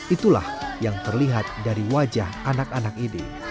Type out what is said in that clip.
itulah yang terlihat dari wajah anak anak ini